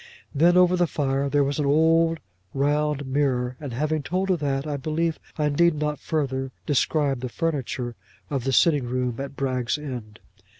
Then, over the fire, there was an old round mirror; and, having told of that, I believe I need not further describe the furniture of the sitting room at Bragg's End.